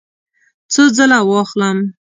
څو ځله واخلم؟